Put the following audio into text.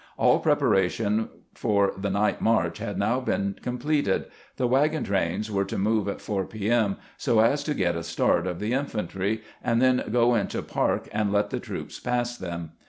All preparations for the night march had now been completed. The wagon trains were to move at 4 p.m., so as to get a start of the infantry, and then go into park and let the troops pass them.